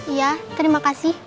iya terima kasih